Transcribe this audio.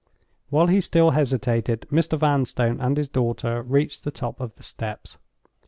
While he still hesitated, Mr. Vanstone and his daughter reached the top of the steps.